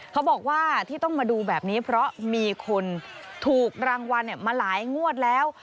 เขาบอกว่าที่ต้องมาดูแบบนี้เพราะมีคนถูกรางวัลมาหลายงวดแล้ว